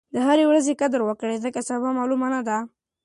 د هرې ورځې قدر وکړئ ځکه سبا معلومه نه ده.